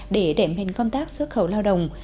để đệm hình công tác xuất khẩu lao động